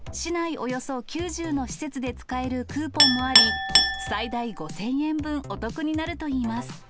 およそ９０の施設で使えるクーポンもあり、最大５０００円分、お得になるといいます。